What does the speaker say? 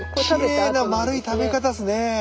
きれいな丸い食べ方ですね。